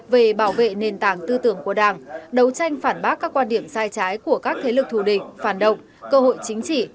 về bảo vệ nền tảng tư tưởng của đảng đấu tranh phản bác các quan điểm sai trái của các thế lực thù địch phản động cơ hội chính trị